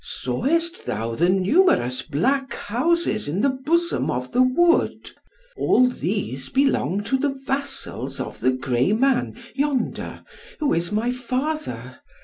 Sawest thou the numerous black houses in the bosom of the wood. All these belong to the vassals of the grey man yonder, who is my father.